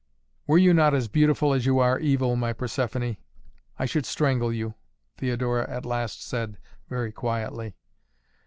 "Were you not as beautiful as you are evil, my Persephoné, I should strangle you," Theodora at last said very quietly.